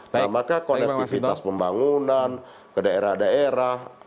nah maka konektivitas pembangunan ke daerah daerah